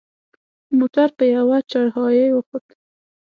موټر په یوه چړهایي وخوت.